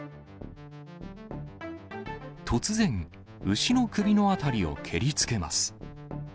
突然、牛の首の辺りを蹴りつけます。